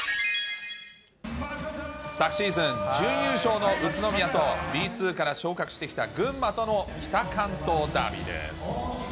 昨シーズン、準優勝の宇都宮と、Ｂ２から昇格してきた群馬との北関東ダービーです。